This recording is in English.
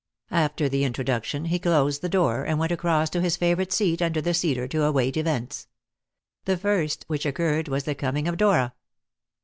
After the introduction he closed the door, and went across to his favourite seat under the cedar to await events. The first which occurred was the coming of Dora.